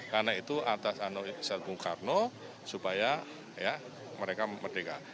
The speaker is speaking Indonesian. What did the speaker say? karena itu atas anu anu bung karno supaya mereka merdeka